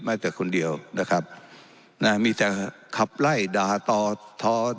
แม้แต่คนเดียวนะครับนะฮะมีแต่ขับไล่ด่าตอทอด่อว่า